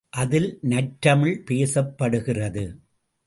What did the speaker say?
அதில் நற்றமிழ் பேசப்படுகிறது.